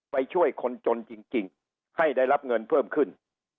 ไปช่วยคนจนจริงให้ได้รับเงินเพิ่มขึ้น